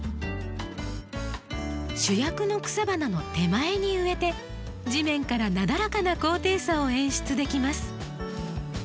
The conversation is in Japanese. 主役の草花の手前に植えて地面からなだらかな高低差を演出できます。